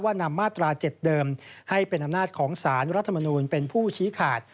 นำมาตรา๗เดิมให้เป็นอำนาจของสารรัฐมนูลเป็นผู้ชี้ขาด